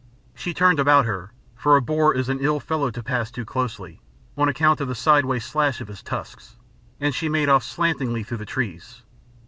She turned about her, for a boar is an ill fellow to pass too closely, on account of the sideway slash of his tusks, and she made off slantingly through the trees.